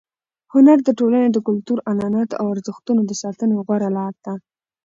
هنر د ټولنې د کلتور، عنعناتو او ارزښتونو د ساتنې غوره لار ده.